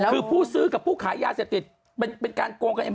คือผู้ซื้อกับผู้ขายยาเสพติดเป็นการโกงกันยังไง